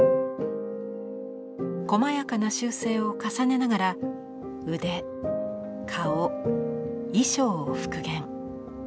こまやかな修正を重ねながら腕顔衣装を復元。